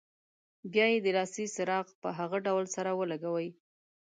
بیا یې د لاسي چراغ په هغه ډول سره ولګوئ.